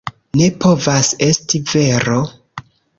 Ne povas esti vero!